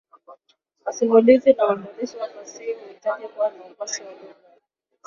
Wasimulizi na waandishi wa fasihi huhitaji kuwa na ukwasi wa lugha.